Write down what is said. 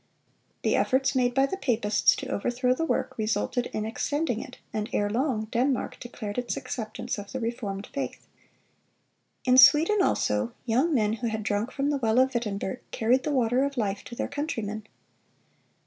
The efforts made by the papists to overthrow the work resulted in extending it, and erelong Denmark declared its acceptance of the reformed faith. In Sweden, also, young men who had drunk from the well of Wittenberg carried the water of life to their countrymen.